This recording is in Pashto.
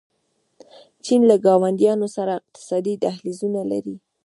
چین له ګاونډیانو سره اقتصادي دهلیزونه لري.